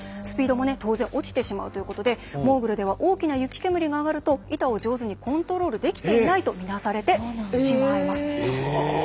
スピードも当然落ちてしまうということでモーグルでは大きな雪煙が上がると板を上手にコントロールできていないとみなされてしまいます。